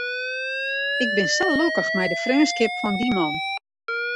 Ik bin sa lokkich mei de freonskip fan dy man.